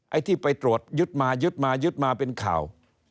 ไอ้ที่ไปตรวจยึดมายึดมายึดมาเป็นข่าว